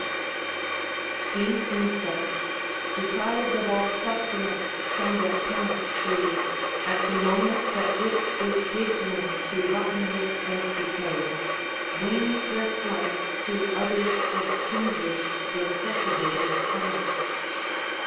79 These insects, deprived of all sus tenance from their parent tree, at the moment that it is has tening to rottenness and decay, wing their flight to others of kindred though cultivated kind.